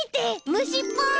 むしっぽい！